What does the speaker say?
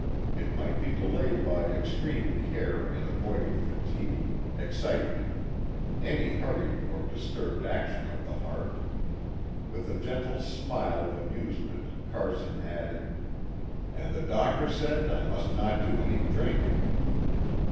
It might be delayed by extreme care in avoid ing fatigue, excitement, any hurried or disturbed action of the heart. With a gentle smile of amusement Carson added "And the doctor said I must not do any drinking."